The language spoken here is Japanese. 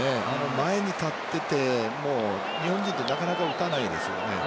前に立っていて日本人ってなかなか打たないですよね。